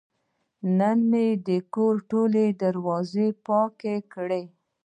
نن مې د کور ټوله دروازه پاکه کړه.